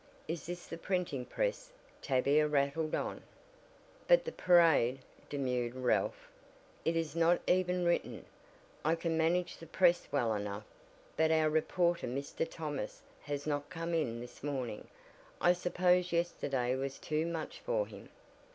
Is this the printing press?" Tavia rattled on. "But the parade," demurred Ralph, "it is not even written. I can manage the press well enough, but our reporter Mr. Thomas, has not come in this morning. I suppose yesterday was too much for him."